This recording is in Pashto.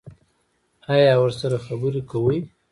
ایا ورسره خبرې کوئ؟